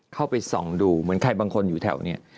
เข้าไปส่องดูเหมือนใครบางคนอยู่แถวนี้